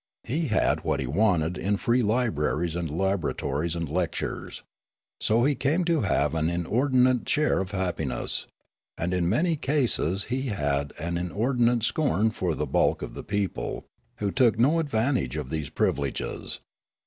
He had what he wanted in free libraries and laboratories and lectures. So he came to have an inordinate share of happiness ; and in many cases he had an inordinate scorn for the bulk of the people, who took no advantage of these privileges.